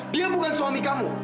dia bukan suami kamu